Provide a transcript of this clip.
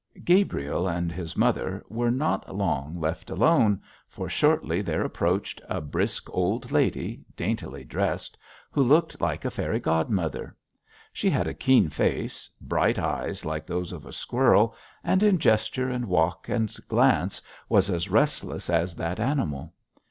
Gabriel and his mother were not long left alone, for shortly there approached a brisk old lady, daintily dressed, who looked like a fairy godmother. She had a keen face, bright eyes like those of a squirrel, and in gesture and walk and glance was as restless as that animal.